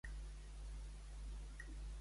Què ha promogut ara fa dotze anys?